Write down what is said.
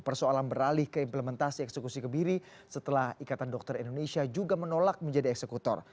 persoalan beralih ke implementasi eksekusi kebiri setelah ikatan dokter indonesia juga menolak menjadi eksekutor